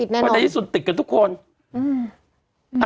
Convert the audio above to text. ในที่สุดติดกันทุกคน